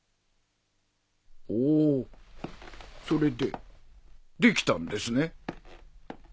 おそれで出来たんですね。